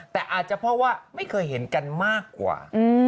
แต่อาจจะเพราะว่าไม่เคยเห็นกันมากกว่า